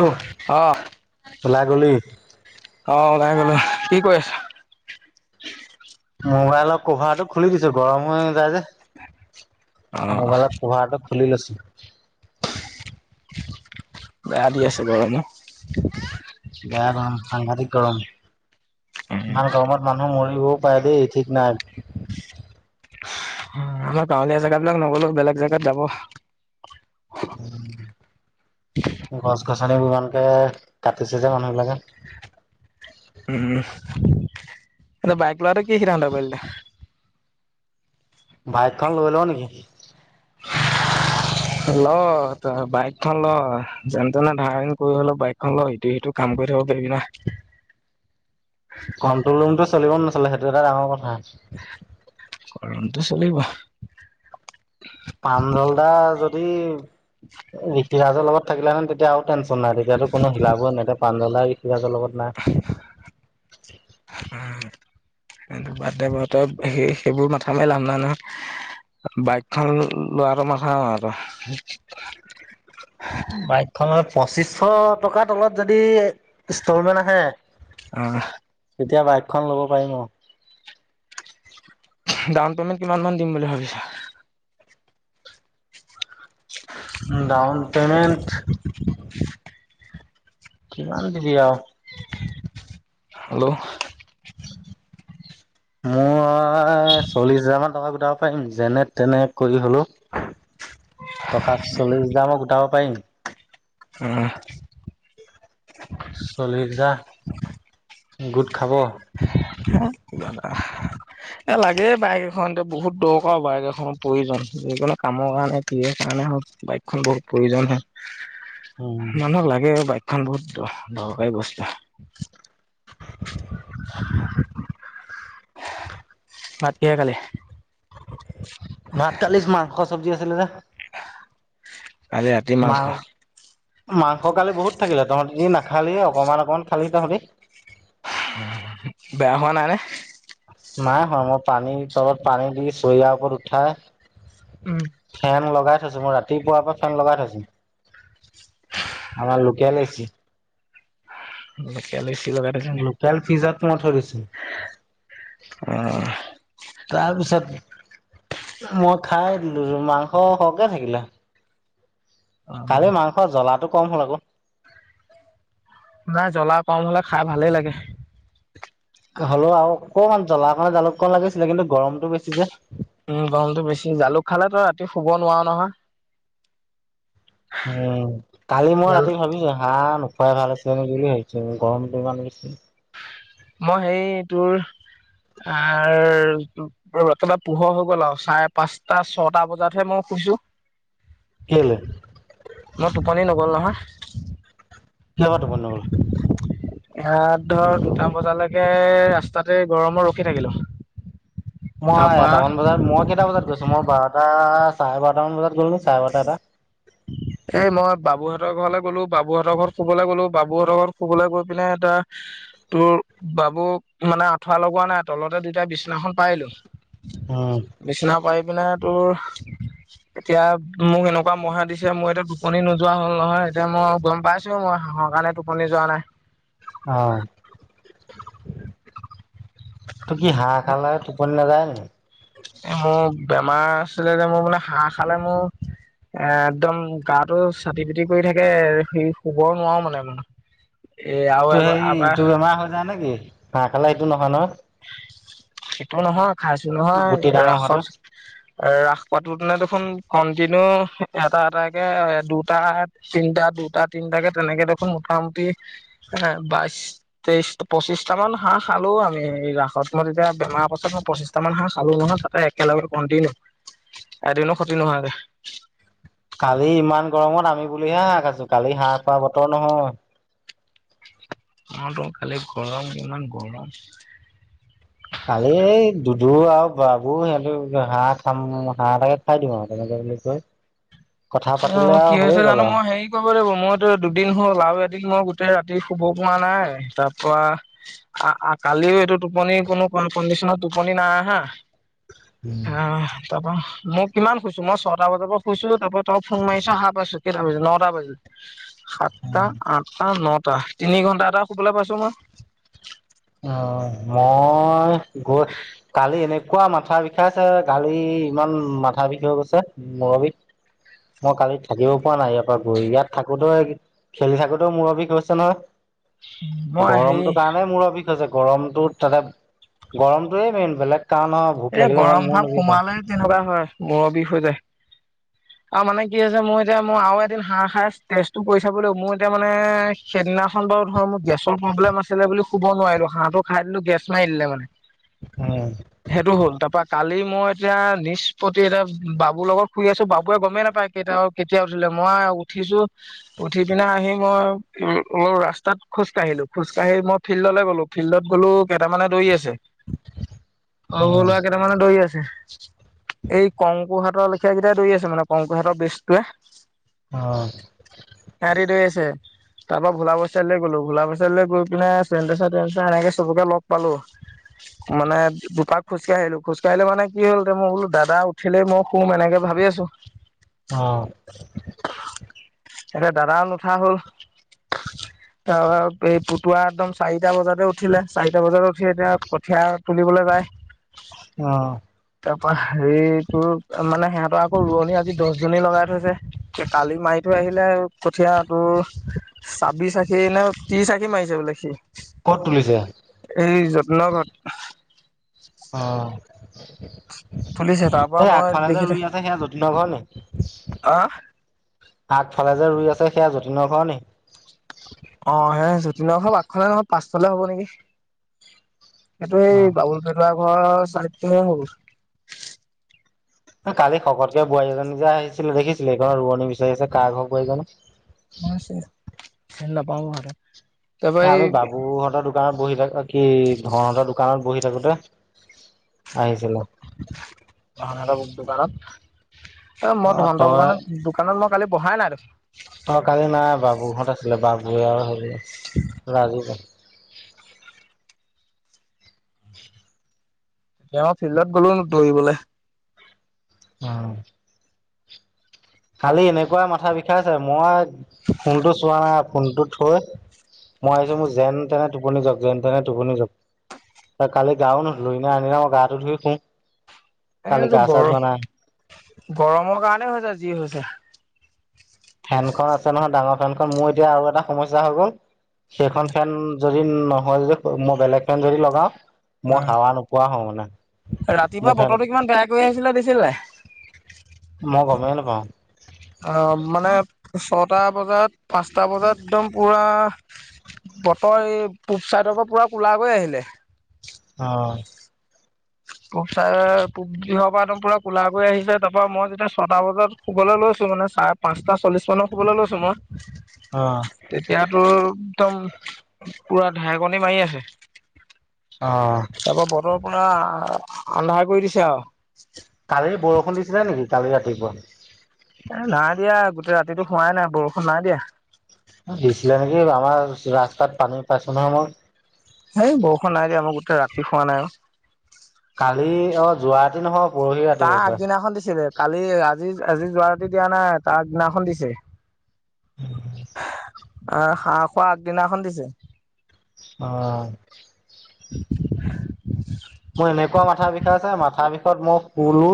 অ ওলাই গলি অ চাই গলো কি কৰি আছ? মোবাইলৰ কভাৰটো খুলি দিছো গৰম হৈ যায় যে। অ', মোবাইলত কভাৰটো খুলি লৈছোঁ বেয়া দি আছে গৰম বেয়া গৰম সাংঘতিক গৰম ইমান গৰমত মানুহ মৰিবও পাৰে দেই ঠিক নাই আমাৰ গাঁৱলীয়া জেগাবিলাক নগলেও বেলেগ জেগাত যাব গছ গছনিবোৰ ইমানকে কাটিছে যে মানুহ বিলাকে উম, বাইক লোৱাটো কি সিদ্ধান্ত কৰিলি তই? বাইকখন লৈ লওঁ নেকি? ল তই বাইক খন ল যেনে তেনে ধাৰ ঋণ কৰি হ'লেও বাইকখনন ল সিটো সিটো কাম কৰি থাকিব পাৰি নহয় কন্ট্ৰল ৰুমটো চলিব নচলে সেইটো এটা ডাঙৰ কথা। কাৰণটো চলিব প্ৰাণ্জল দা যদি [unintelligible] হিৰাজৰ লগত থাকিলে তেতিয়া আৰু টেন চন নাই তেয়াতো হিলাবোৰ নে ৰূপান্তৰ প্ৰাঞ্জল ধীৰাজৰ লগত নাই সটো বাদ দে বত সেই সেইবোৰ মাথা মাৰ লাভ ন নহয় বাইকখন লোৱাৰ মাথা আৰু বাইক খনৰ পঁচিশশ টকাৰ তলত যদি ষ্টলমেণ্ট আহে, অ', কেতিয়া বাই দুখন ল'ব পাৰিম অঁ ডাউন পেমেন্ট কিমান মান দিম বুলি ভাবিছ? ডাউন পেমেণ্ট কিমান দিবি আও হেল্ল' মোৰ চল্লিশ হাজাৰ মান টকা গোটাব পাৰিম যেনে তেনে কৰি হলো টকা চল্লিশ দামক গোটাব পাৰিম আহ চল্লিশ হাজাৰ গোট খাব [unintelligible] এ লাগে বাইক এখন এয়া বহুত দৰকাৰ বাইক এখনৰ প্ৰয়োজন, যিকো কামৰ কাৰণে কি কাৰণে হ বাইকখন বহুত প্ৰয়োজন হয় উম মানুহক লাগে বাইকখন বহুত দৰকাৰী বস্তু। [unintelligible] ভাত কিহে খালি ভাত কালি মাংস চব্জি আছিলে যে, উ মা মাংস কালি বহুত থাকিলে তহতিও না খালি অকমান অকমান খালি তাহঁতি বেয়া হোৱা নাই নে নাই হোৱা মই পানী তলত পানী দি চৰিয়াৰ ওপৰত উঠাই উম, ফেন লগাই ছো মই ৰাতিপুৱাৰ পৰা ফেন লগাই থৈছো। আমাৰ local AC local AC local ফিজাত মই থৈ দিছো। [unintelligible] তাৰপিছত, মই খাই দিলো মাংস সৰহকে থাকিলে। অ', কালি মাংসৰ জলাটো কম হ'ল আকৌ। নাই জলা কম হলে খাই ভালেই লাগে। হলেও আৰু অকমান জলা [unintelligible] জালুক অকণ লাগিছিলে কিন্তু গৰমতটো বেছি যে। উম, গৰমটো বেছি জালুক খালে তই ৰাতি শুব নোৱাৰো নহয়। উম, কালি মই জাল ৰাতি ভাবিছোঁ হাঁহ ন [unintelligible] গৰমটো ইমান দিছে। মই সেই তোৰ আৰ [unintelligible] পোহৰ হৈ গ'ল আৰু চাৰে পাঁচটা ছটা বজাত হে মোক শুইছো, কেলে মই টোপনি নগ'ল নহয়। কিয় বা টোপনি নহ'ল? ইয়াত ধৰ দুটা বজালৈকে ৰাস্তাতে গৰমত ৰখি থাকিলো। মই তাৰপা এটামান বজাত মই কেইটা বজাত গৈছো মই বাৰটা চাৰে বাৰটা মান বজাত গলো। চাৰে বাৰটা পা। এই মই বাবুহঁতৰ ঘৰলৈ গ'লো বাবুহঁতৰ ঘৰত শুবলৈ গ'লো বাবুহঁতৰ ঘৰত শুবলৈ গৈ পিনে এটা তোৰ বাবুক, মানে আঁঠুৱা লগোৱা নাই তলতে দুটাই বিচনাখন পাৰিলোঁ। উম বিচনা পাৰি পিনে তোৰ, এতিয়া মোক এনেকুৱা মহে দিছে মই এতিয়া টোপনি নোযোৱা হ'ল নহয় এতিয়া মই গম পাইছো মই হাঁহৰ কাৰণে টোপনি যোৱা নাই। অ', তোৰ কি হাঁহ খালে টোপনি নাযায় নেকি? এ মোৰ বেমাৰ আছিলে যে মোৰ মানে হাঁহ খালে মোৰ এ একদম গাটো চাতি পিতি কৰি থাকে, সে শুব নোৱাৰো মানে মই। এ আৰু এ তোৰ সেই আবাৰ ইটো বেমাৰ হৈ যায় নেকি হাঁহ খালে ইটো নহয় নহয়। সিটো নহয় খাইছো নহয়, গুটি ডাঙৰ হোৱাটো ৰাসত ৰাস [unintelligible] দিনাইটো খন কন্টিনিউ এটা এট কে দুটা তিনটা দুটা তিনটা তেনেকে দেখোন মোটামুটি এ বাইশ, তেইশ, পঁচিশটা মান হাঁহ খালো আমি। এই ৰাসত মই যেতিয়া বেমাৰ পাছত মই পচিছটা মান হাঁহ খালো নহয় তাতে একেলগে কণ্টিনিউ। এদিনো খতি নোহোৱাকে। কালি ইমান গৰমত আমি বুলিহে হাঁহ খাইছো কালি হাঁহ খোৱা বতৰ নহয়। মইতো কালী গৰম ইমান গৰমত কালি এই দুদু আৰু বাবু সিহঁতে বোলে হাঁহ খাম হাঁহ এটাকে খাই দিওঁ আৰু তেনেকে সেইবুলি কৈ কথা পাতিলে অ', আৰু কি হৈছে হৈয়ে গ'ল জানো আৰু মই হেৰি কৰিব লাগিব মইতো দুদিন হ'ল আৰু এদিন মই গোটেই ৰাতি শুব পুৱা নাই তাৰ পৰা, কালিও এইটো টোপনি কোনো কণ্ডিশনত টোপনি নাই অহা, আহ তাৰপা মই কিমান শুইছো মই ছটা বজাৰ পৰা শুইছো তাৰ তই ফোন মাৰিছ সাৰ পাইছো কেইটা বাজিল নটা বাজিল সাতটা, আঠটা, ন টা তিনি ঘণ্টা এটা শুবলে পাইছো মই। উম, মই, গৈ কালি এনেকুৱা মাথা বিষাইছে গালি ইমান মাথা বিষ হৈ গৈছে মুৰৰ বিষ। মই কালি থাকিব পৰা নাই ইয়াৰ পৰা গৈ ইয়াত থাকোতে খেলি থাকোতেও মূৰ বিষ হৈছে নহয়। মই হেৰি গৰমটো কাৰণে মূুৰৰ বিষ। হৈছে গৰমতটো তাতে গৰমটোয়ে মেইন বেলেগ কাৰণ ভোক এ লাগিলে ইমান গৰম মূৰ ভাৱ নিবিষাই সোমালে তেনেকুৱা হয়, মুৰৰ বিষ হৈ যায়। [inaudible] আৰু মানে কি হৈছে মই এতিয়া মই আৰু এদিন হাঁহ খাই টেষ্টটো কৰি চাব লাগিব মোৰ এতিয়া মানে সেইদিনাখন বাৰু ধৰ মোৰ গেছৰ প্ৰব্লেম আছিলে বুলি শুব নোৱাৰিলো হাঁহটো খাই দিলো গেছ মাৰি দিলে মানে। উম, সেইটো হ'ল তাৰ পা কালি মই এতিয়া নিষ্পত্তি এতিয়া বাবুৰ লগত শুই আছো বাবুৱে গমেই নাপায় কে তিয়া উঠিলে মই উঠিছো উঠি পিনে আহি মই অলপ ৰাস্তাত খো জা কাঢ়িলো খোজকাঢ়ি মই ফিল্ডলৈ গ'লো ফিল্ডত গলো কেইাটামানে দৌৰি আছে [unintelligible] অ সৰু সৰু লৰা কেইটামানে দৌৰি আছে এই কংকু হাতৰ লেখীয়া কেইটাই দৌৰি আছে মানে কংকুহেটৰ বেজটোৱে অ হেতি দৌৰি আছে তাৰ পৰা ভোলাবৈছালে গলো ভোলাবৈচালে গৈ পেলাই চোৱেনডোচা তোৱেনডোচা এনেকে চবকে লগ পালো মানে এপাক খোজকাঢ়িলো খোজকাাঢ়িলে মানে কি হ'ল মই বোলো দাদা উঠিলেই মই শুম এনেকে ভাবি আছো- অ- [unintelligible] এতিয়া দাদাও নুঠা হ'ল- হয় তাৰ এই পুতুৱা একদম চাৰিটা বজাতে উঠিলে চাৰিটা বজাতে উঠি এতিয়া কঠীয়া তুলিবলৈ যায়- অ তাৰপৰা হেৰি তোৰ মানে সিহঁতৰ আকৌ ৰোৱনী আজি দহজনী লগাই থৈছে কালি মাৰিত- আহিলে কঠিয়া তোৰ ছাব্বিশ আখি নে ত্ৰিশ আখী মাৰিছে বোলে সি- কত তুলিছে? এই যতিনৰ ঘৰত - অহ তুলিছে তাৰ পৰা এই মই আগফালে যে দেখি থা ৰুই আছে সেয়া যতীনৰ ঘৰ নি আহ আগফালে যে ৰুই আছে সেয়া যতীনৰ ঘৰ নি? অ সেই যতিনৰ ঘৰ আগফালে নহয় পাছফালে হ'ব নেকি! এইটো সেই বাবুল পেটুৱা ঘৰৰ চাইদটোহে হ'ব - কালি শকতকে বোৱাৰী এজনী যে আহিছিলে দেখিছিলোে সেইঘৰ ৰোৱনী বিচাৰি আছে কাৰ ঘৰৰ বোৱাৰী জানো? অ চিনি নাপাও নহয় - এ আমি বাবু হতৰ- দোকানত বহি থাকোঁতে কি ধৰহতৰ দোকানত বহি থাকোতে - ধনহেত দোকানত- অ মই ধন হতৰ দোকানত দোকানত মই কালি বহাই নাই দেখোন? অ কালি নাই বাবুহঁত আছিলে বাবুৱে আৰু হেৰি ৰাজি- এতিয়া মই ফিল্ডত গ'লো দৈৰিবলে- অ- কালি এনেকোৱা মাথা বিষাইছে মই ফোনটো চোৱা নাই ফোনটো থৈ- মই আহিছো মোৰ যেন তেনে টোপনি যাওক যেন তেনে টোপনি যাওক- ত কালি গাও নুধুলো আনদিনা মই গাটো ধুই শুও - এইটো গৰ গৰমৰ কাৰণে হৈছে যি হৈছে- ফেনখন আছে নহয় ডাঙৰ ফেনখন মোৰ এতিয়া আৰু এটা সমস্যা হৈ গ'ল- সেইখন ফেন যদি নহয় যদি মই বেলেগ ফেন যদি লগাও- মই হাৱা নোপোৱা হওঁ মানে অ মোৰ ৰাতিপুৱা ফেন বতৰটো কিমান বেয়া কৰি আহিছিলে দে- ছিলি নাই- মই গমেই নাপাও- অহ মানে ছয়টা বজাত পাঁচটা বজাত একদম পুৰা- বতৰ এই পূব চাইডৰ পৰা পুৰা কোলা হৈ আহিলে- অ পূব চা দিশৰ পৰা একদম পুৰা কোলা কৰি আহিছে তাৰপৰা মই যেতিয়া ছটা বজাত শুবলৈ লৈছো - মানে চাৰে পাঁচটা চল্লিশ মানৰ শুবলৈ লৈছোঁ মই অ তেতিয়াতো! একদম পুৰা ঢেৰেকণি মাৰি আছে অ তাৰপৰা বতৰ- পুৰা আন্ধাৰ কৰি দিছে আ- কালি বৰষুণ দিছিলে নেকি কালি ৰাতিপুৱা? এ নাই দিয়া গোটেই ৰাতিটো হোৱাই নাই বৰষুণ নাই দিয়া- আহিছিলে নেকি, আমাৰ ৰাস্তাত পানী পাইছ নহয় মই। ইেই বৰষুণ নাই দিয়া, মই গোটেই ৰাতি শুৱাই নাই আৰু- যোৱাৰাতি নহয় পৰহি ৰাতি তা হ'ব পাৰে আগদিনা খন দিছিলে, কালি আজি-আজি যোৱা ৰাতি দিয়া নাই তাৰ দিনাখন দিছে। উম'। আহ, হাঁহ খোৱা আগদিনাখন দিছে। অ'। মোৰ এনেকুৱা মাথা বিষাইছে, মাথা বিষত মই শুলো।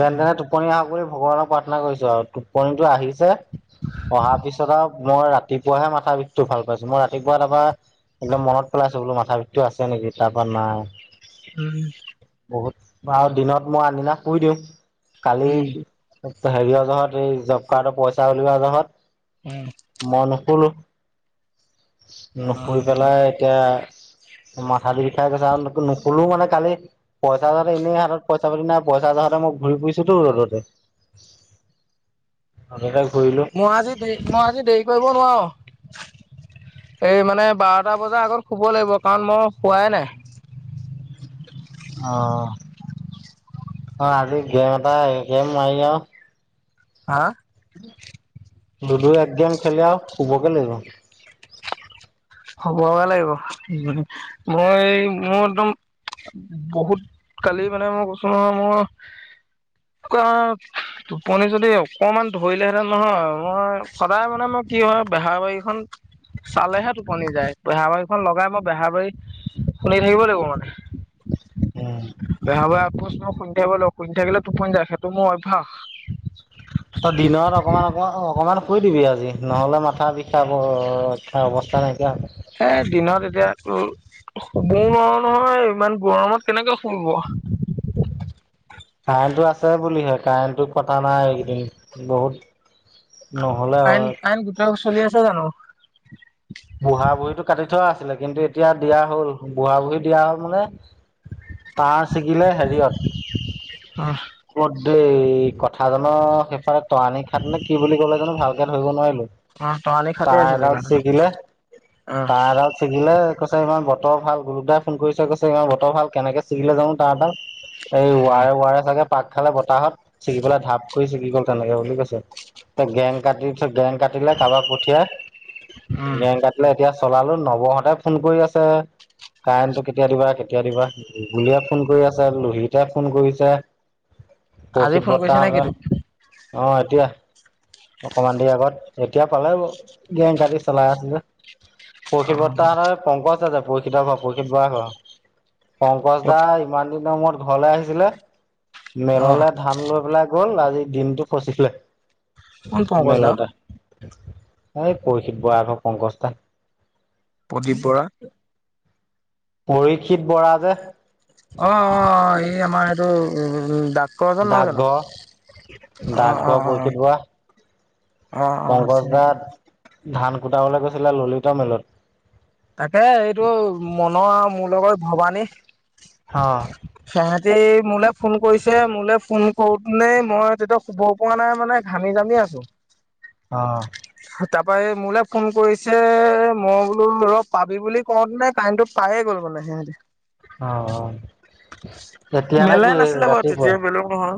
যেন তেনে টোপনি কৰি ভগৱানক প্ৰাৰ্থনা কৰিছো আৰু টোপনিটো আহিছে অহাৰ পিছত আৰু মই ৰাতিপুৱাহে মাথা বিষটো ভাল পাইছো। মই ৰাতিপুৱা তাৰপৰা একদম মনত পেলাইছো বোলো মাথা বিষটো আছে নেকি, তাৰ পৰা নাই। উম'। বহুত। আৰু দিনত মই আনদিনা শুই দিওঁ, কালি উম হেৰিয় জহত এই জব কাৰ্ডৰ পইচা উলিওৱা জহত, উম মন নোশুলো। নুশুই অ'। পেলাই এতিয়া মাথা দি বিষাই গৈছে। আৰু নুশুলোও মানে কালি পইচা ত এনেই হাতত পইচা তোমাৰ পইচাৰ জহতে মই ঘূৰি ফুৰিছোতো ৰ'দতে। [unintelligible] মই আজি দে, মই আজি দেৰি কৰিব নোৱাৰো। [inaudible] এই মানে বাৰটা বজাৰ আগত শুব লাগিব কাৰণ মই শুৱাই নাই। অ', আজি গেম এটা, এগেম মাৰি আৰু। হা? লুডু এক গেম খেলি আৰু শুবকে লাগিব। শুবগে লাগিব, উম'। মই এই মোৰ একদম উম, বহুত কালি মানে মই কৈছো নহয় মোৰ [unintelligible] টোপনি যদি অকনমান ধৰিলেহেঁতেন নহয় মই সদায় মানে মই কি হয় বেহাৰবাৰীখন চালেহে টোপনি যায় বেহাৰবাৰীখন লগাই মই বেহাৰবাৰী শুনি থাকিব লাগিব মানে। উম বেহাৰবাৰী আউটপোষ্ট শুনি থাকিব লাগিব শুনি থাকিলে টোপনি যাওঁ, সেইটো মোৰ অভ্যাস। তৈই দিনত অকনমান-অকনমান-অকনমান শুই দিবি আজি নহ'লে মাথা বিষাব, বিষাই অৱস্থা নাইকিয়া হ'ব। এ দিনত এতিয়া তোৰ শুবও নোৱাৰো নহয় ইমান গৰমত কেনেকে শুওঁ বাৰু। [unintelligible] কাৰেণ্টটো আছে বুলিহে কাৰেণ্টটো কটা নাই এইকেইদিন। বহুত নহ'লে কাৰেন্ট-কাৰেণ্ট গোটেই চলি আছে জানো? ছিলে কিন্তু এতিয়া দিয়া হ'ল। বুঢ়া বুঢ়ী দিয়া হ'ল মানে টাৰ ছিগিলে হেৰিয়ত অ এই কথা জানৰ শেষত তৰানি খাট নে কি বুলি কলে জানো ভালকে ধৰিব নোৱাৰিলো। অ তৰালি খাতে তাঁৰ আছে এডাল জেগাটো ছিগিলে অ তাঁৰ এডাল ছিগিলে কৈছে ইমান বতৰ ভাল গুৰুকদাই ফোন কৰিছে কৈছে ইমান বতৰ ভাল কেনেকে ছিগিলে যাওঁ তাঁৰডাল। এই ৱাৰে-ৱাৰে চাগে পাক খালে বতাহত ছিগি পেলাই ঢাপ কৰি চিকি গ'ল তেনেকে বুলি কৈছে। গেং কাটি গেং কাটিলে কাৰাবাক পঠিয়াই, উম গেং কাটিলে এতিয়া চলালো নৱহঁতে ফোন কৰি আছে। কাৰেণ্টটো কেতিয়া দিবা, কেতিয়া দিবা? গুলীয়ে ফোন কৰি আছে, লহিতে ফোন কৰিছে। আজি প্ৰশিত ফোন বৰ্তা কৰিছে নেকি হতে। তোক অ', এতিয়া অকমান দেৰি আগত এতিয়া পালে ব গেং কাটি চলাই আছে যে [unintelligible] প্ৰশিত বৰ্তাহ পংকজ আছে প্ৰশিতহঁতৰ প্ৰশিত বয়স [unintelligible] পংকজ অ দা ইমান দিনৰ মূৰত ঘৰলে আহিছিলে অ মেললে ধান লৈ পেলাই গল আজি দিনটো ফচিলে। কোন পংকজ দা অও? মেলতে এই পৰিশিত বৰা ঘৰৰ পংকজ দা। প্ৰদীপ বৰা? পৰীক্ষিত বৰা যে। অ-অ এই আমাৰ এইটো উম প্ৰজন নহয় জানো ডাকঘৰ আহ অ ডাকঘৰ পৰীক্ষিত বৰা অ। অ অ পংকজ দা চিন ধান কুটাবলৈ গৈছিলো ললিতৰ মেলত। তাকে এইটো মনৰ আৰু মোৰ লগত ভবানী অ। এই মোলে ফোন কৰিছে মোলে ফোন কৰোতেনে মই তেতিয়া শুব পৰা নাই মানে ঘামি যামি আৰু [unintelligible] আহ। তাৰপা এই মোলে ফোন কৰিছে মই বোলো ৰপ পাবি বুলি কওঁতে নে কাইনটো পায়ে গ'ল মানে সিহতি। অ অ এতিয়া নে মেলাই কি নাছিলে বাৰু ৰাতিপুৱা তেতিয়া বলো নহয়।